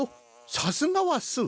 さすがはスー。